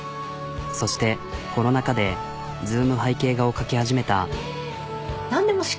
そしてコロナ禍でＺｏｏｍ背景画を描き始めた。